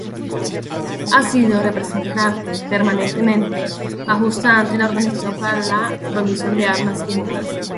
Ha sido representante permanente adjunta ante la Organización para la Prohibición de Armas Químicas.